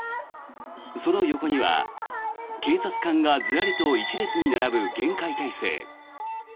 その横には警察官がずらりと１列に並ぶ厳戒態勢。